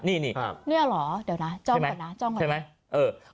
นี่หรอเดี๋ยวนะจ้องก่อนนะ